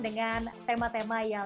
dengan tema tema yang